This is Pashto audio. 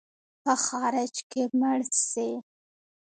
په خارج کې مړ سې.